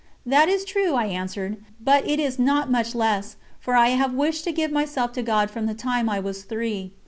"That is true," I answered, "but it is not much less, for I have wished to give myself to God from the time I was three."